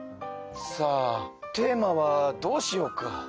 さあテーマはどうしようか。